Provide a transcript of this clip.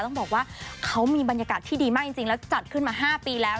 ต้องบอกว่าเขามีบรรยากาศที่ดีมากจริงแล้วจัดขึ้นมา๕ปีแล้ว